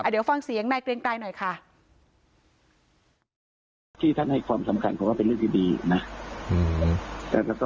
เดี๋ยวฟังเสียงนายเกรงไกรหน่อยค่ะ